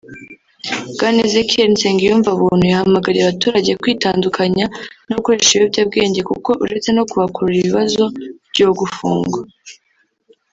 Bwana Ezekiel Nsengiyumwa Buntu yahamagariye abaturage kwitandukanya no gukoresha ibiyobyabwenge kuko uretse no kubakururira ibibazo byo gufungwa